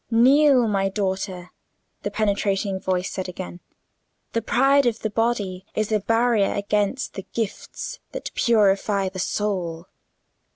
"Kneel, my daughter," the penetrating voice said again, "the pride of the body is a barrier against the gifts that purify the soul."